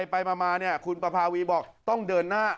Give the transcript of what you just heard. ไปมาคุณประภาวีบอกต้องเดินหน้า